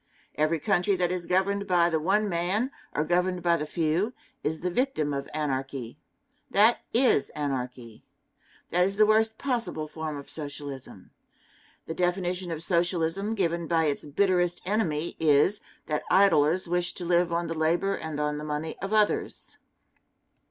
Every country that is governed by the one man, or governed by the few, is the victim of anarchy. That is anarchy. That is the worst possible form of socialism. The definition of socialism given by its bitterest enemy is, that idlers wish to live on the labor and on the money of others.